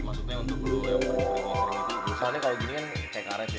maksudnya untuk lu yang pernah diperlukan sering gitu